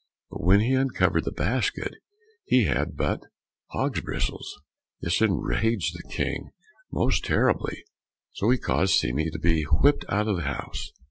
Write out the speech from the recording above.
But when he uncovered the basket, he had but hogs' bristles. This enraged the King most terribly, so he caused Seame to be whipped out of the house.